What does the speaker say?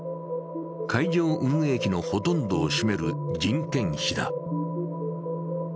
会場運営費のほとんどを占める人件費だ。